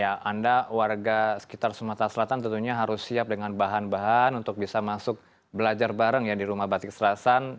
ya anda warga sekitar sumatera selatan tentunya harus siap dengan bahan bahan untuk bisa masuk belajar bareng ya di rumah batik selasan